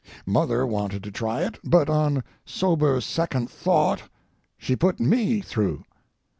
Mother wanted to try it, but on sober second thought she put me through.